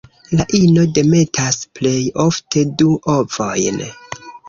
La ino demetas plej ofte du ovojn.